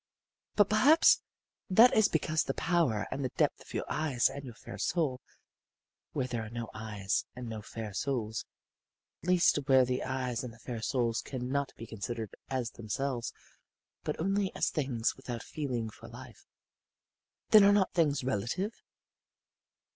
"But perhaps that is because of the power and the depth of your eyes and your fair soul. Where there are no eyes and no fair souls at least where the eyes and the fair souls can not be considered as themselves, but only as things without feeling for life then are not things relative?"